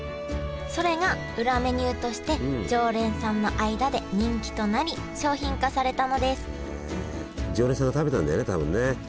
それが裏メニューとして常連さんの間で人気となり商品化されたのですへえ